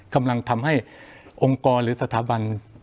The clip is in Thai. กำลังทำให้องค์กรหรือสถาบัน